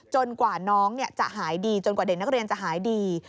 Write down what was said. กว่าน้องจะหายดีจนกว่าเด็กนักเรียนจะหายดี